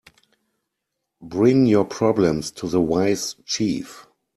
Bring your problems to the wise chief.